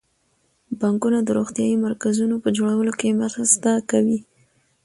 بانکونه د روغتیايي مرکزونو په جوړولو کې مرسته کوي.